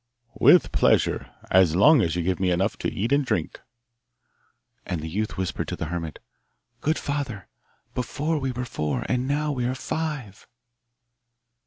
'With pleasure, as long as you give me enough to eat and drink.' And the youth whispered to the hermit, 'Good father, before we were four, and now we are five.